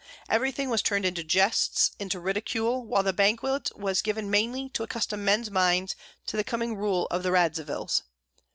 Everything was turned into jests, into ridicule, while the banquet was given mainly to accustom men's minds to the coming rule of the Radzivills.